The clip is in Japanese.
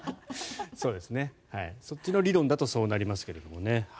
そっちの理論だとそうなりますけれどもね。